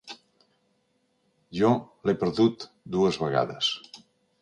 Jo l'he perdut dues vegades.